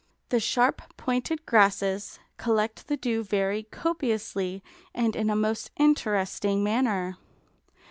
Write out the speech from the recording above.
The sharp pointed grasses collect the dew very copiously and in a most interesting manner.